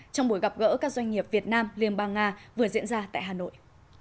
trong buổi gặp gỡ các doanh nghiệp việt nam liên bang nga vừa diễn ra tại hà nội